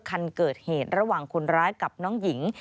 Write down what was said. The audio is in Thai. คันเกิดเหตุระหว่างคนร้ายกับน้องหญิง